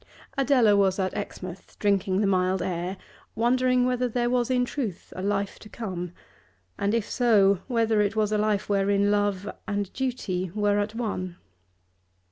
Adela was at Exmouth, drinking the mild air, wondering whether there was in truth a life to come, and, if so, whether it was a life wherein Love and Duty were at one.